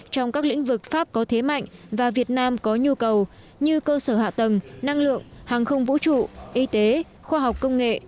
trong các lĩnh vực pháp có thế mạnh và việt nam có nhu cầu như cơ sở hạ tầng năng lượng hàng không vũ trụ y tế khoa học công nghệ